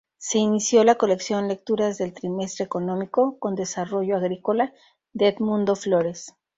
Se inició la colección Lecturas del Trimestre Económico, con "Desarrollo Agrícola", de Edmundo Flores.